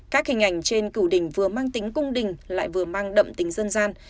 các hình ảnh trên cửu đỉnh vừa mang tính cung đỉnh lại vừa mang đậm tính dân gian